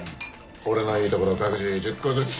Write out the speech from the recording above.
俺のいいところ各自１０個ずつ。